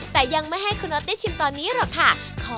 แต่ยังไม่ให้คุณน็อตได้ชิมตอนนี้หรอกค่ะ